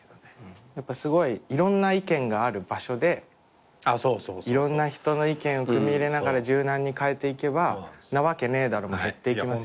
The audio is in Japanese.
すごいいろんな意見がある場所でいろんな人の意見をくみ入れながら柔軟に変えていけばんなわけねえだろも減っていきますよね。